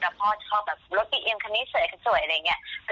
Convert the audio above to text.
แต่พ่อชอบแบบรถอีเอียงคันนี้สวยอะไรอย่างนี้